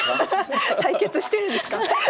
対決してるんですか？